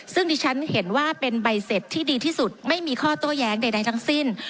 ซึ่งดิฉันเห็นว่าเป็นใบเสร็จที่ดีที่สุดไม่มีข้อโต้แย้งใดทั้งสิ้น